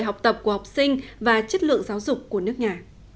học tập của học sinh và chất lượng giáo dục của nước nhà